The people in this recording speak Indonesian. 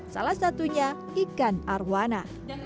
salah satunya ikan arowana